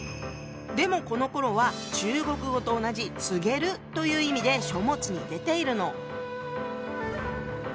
でもこのころは中国語と同じ「告げる」という意味で書物に出ているの。